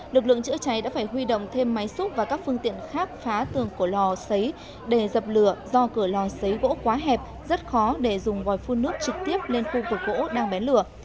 lực lượng chữa cháy đã phải huy động thêm máy xúc và các phương tiện khác phá tường của lò xấy để dập lửa do cửa lò xấy gỗ quá hẹp rất khó để dùng vòi phun nước trực tiếp lên khu vực gỗ đang bén lửa